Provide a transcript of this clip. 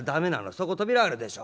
そこ扉あるでしょ？